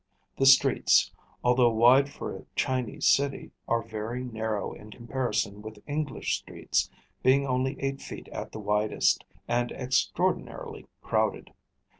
_] The streets, although wide for a Chinese city, are very narrow in comparison with English streets, being only eight feet at the widest, and extraordinarily crowded.